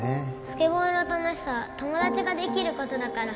スケボーの楽しさは友達ができることだから